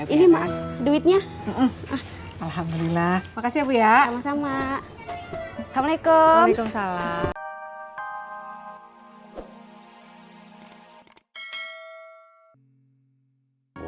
ini emang duitnya alhamdulillah makasih ya sama sama assalamualaikum waalaikumsalam